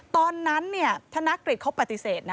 ตอนนั้นธนกฤษเขาปฏิเสธนะ